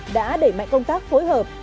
đã đẩy mạnh công tác phối hợp